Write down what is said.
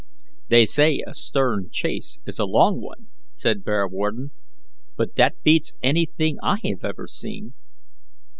"They say a stern chase is a long one," said Bearwarden; but that beats anything I have ever seen."